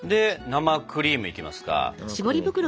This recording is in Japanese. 生クリームいきますか。